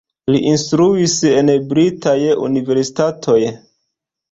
Li instruis en britaj universitatoj.